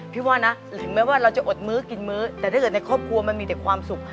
พี่ว่านะถึงแม้ว่าเราจะอดมื้อกินมื้อแต่ถ้าเกิดในครอบครัวมันมีแต่ความสุข